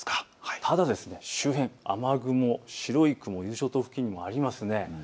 ただ周辺、雨雲、伊豆諸島付近にもありますね。